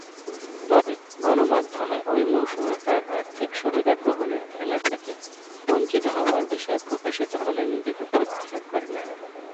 তবে, গণমাধ্যমে ঐ মৌসুমে তার আর্থিক সুবিধা গ্রহণের খেলা থেকে বঞ্চিত হবার বিষয় প্রকাশিত হলে নিজেকে প্রত্যাহার করে নেন।